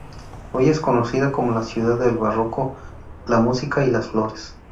Hoy es conocida como la ciudad del barroco, la música y las flores.